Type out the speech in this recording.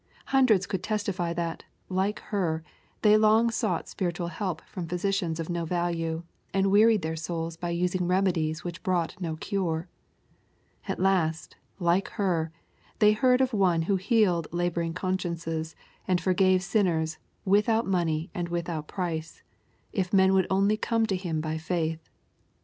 Hundreds could testify that, like her, they long sought spiritual help from physicians of no value, and wearied their souls by using remedies which brought no cure. At last, like her, they heard of One who healed laboring consciences, and forgave sinners, " without money and without price," if men would only come to ''Him by faith.